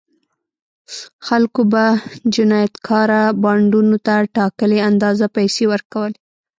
خلکو به جنایتکاره بانډونو ته ټاکلې اندازه پیسې ورکولې.